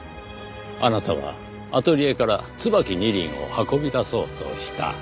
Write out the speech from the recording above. あなたはアトリエから『椿二輪』を運び出そうとした。